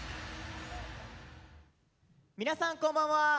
皆さん、こんばんは！